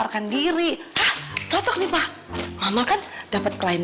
nanti dengan nyaman